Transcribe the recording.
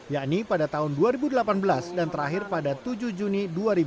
yakni pada tahun dua ribu delapan belas dan terakhir pada tujuh juni dua ribu delapan belas